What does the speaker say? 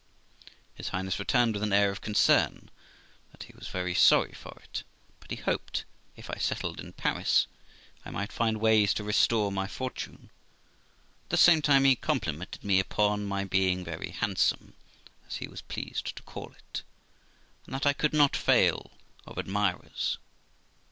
His Highness returned, with an air of concern, that he was very sorry for it ; but he hoped, if I settled in Paris, I might find ways to restore my fortune; at the same time he complimented me upon my being very handsome, as he was pleased to call it, and that I could not fail of admirers.